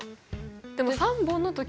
でも３本の時も。